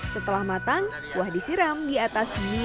setelah matang kuah disiram di atas mie